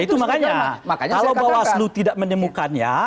ya itu makanya makanya saya katakan kalau bawah aslu tidak menemukannya